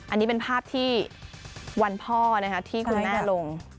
อันนี้เป็นภาพที่วันพ่อที่คุณแม่ลง